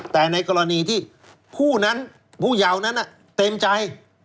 แต่ในกรณีที่ผู้นั้นผู้เยาวนั้นเต็มใจ